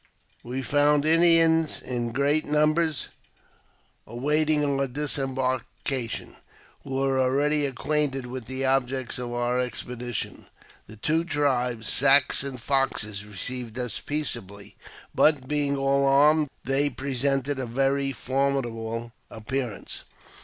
We found Indians in great numbers awaiting our disembarkation, who were already acquainted with the object of our expedition. The two tribes. Sacs and Foxes, received us peaceably, but, being all armed, they presented a very formidable appearance.